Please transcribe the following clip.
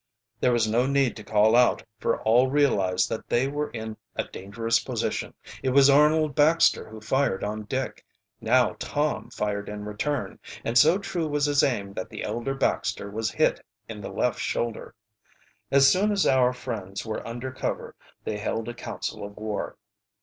There was no need to call out, for all realized that they were in a dangerous position. It was Arnold Baxter who fired on Dick. Now Tom fired in return, and so true was his aim that the elder Baxter was hit in the left shoulder. As soon as our friends were under cover they held a council of war.